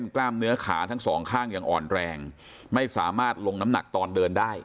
กล้ามเนื้อขาทั้งสองข้างยังอ่อนแรงไม่สามารถลงน้ำหนักตอนเดินได้